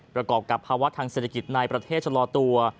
ประกอบกับภาวะทางเศรษฐกิจในประเทศชะลอตัว